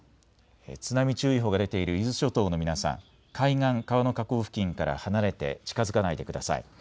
津波注意報が出ている伊豆諸島の皆さん、海岸、川の河口付近から離れて近づかないでください。